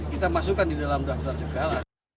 kita masukkan di dalam daftar segala